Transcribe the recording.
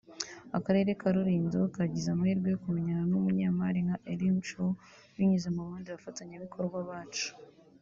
Akarere ka Rulindo kagize amahirwe yo kumenya n’umunyemari nka Elim Chew binyuze mu bandi bafatanyabikorwa bacu